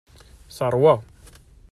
Teṛwa.